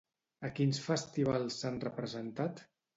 A quins festivals s'han representat?